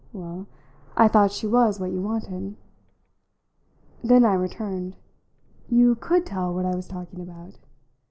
Well I thought she was what you wanted." "Then," I returned, "you could tell what I was talking about!"